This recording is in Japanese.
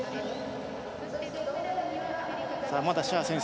まだシェア選手